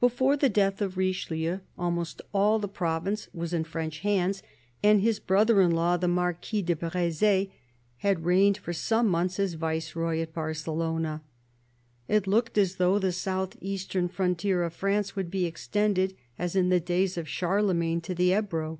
Before the death of Richelieu almost all the province was in French hands, and his brother in law, the Marquis de Breze, had reigned for some months as Viceroy at Barcelona. It looked as though the south eastern frontier of France would be extended, as in the days of Charlemagne, to the Ebro.